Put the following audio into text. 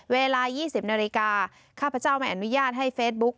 เวลา๒๐นาฬิกาข้าพเจ้าไม่อนุญาตให้เฟซบุ๊ก